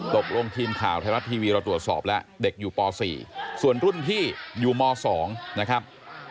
ตกลงทีมข่าวไทยรัฐทีวีเราตรวจสอบแล้วเด็กอยู่ป๔ส่วนรุ่นพี่อยู่ม๒นะครับ